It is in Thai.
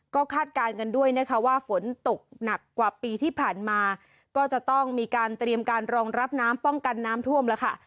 ก็คาดการณ์กันด้วยนะคะว่าฝนตกหนักกว่าปีที่ผ่านมาก็จะต้องมีการเตรียมการรองรับน้ำป้องกันน้ำท่วมแล้วค่ะ